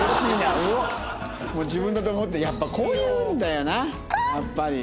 もう自分だと思ってこういうんだよなやっぱり。